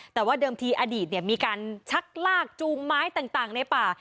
แต่ว่าเดิมทีอดีตมีการชักลากจูงไม้ต่างในป่า